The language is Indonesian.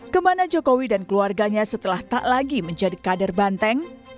kemana jokowi dan keluarganya setelah tak lagi menjadi kader banteng